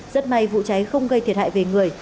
rất may vụ cháy không gây thiệt hại về người